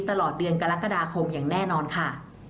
ตลอดเดือนกรกฎาคมอย่างแน่นอนค่ะ